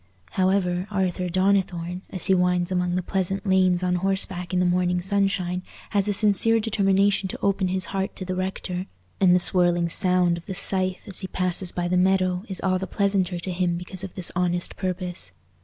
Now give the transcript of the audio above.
However, Arthur Donnithorne, as he winds among the pleasant lanes on horseback in the morning sunshine, has a sincere determination to open his heart to the rector, and the swirling sound of the scythe as he passes by the meadow is all the pleasanter to him because of this honest purpose.